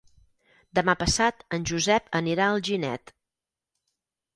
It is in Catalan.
Demà passat en Josep anirà a Alginet.